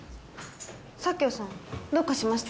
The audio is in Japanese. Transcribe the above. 佐京さんどうかしました？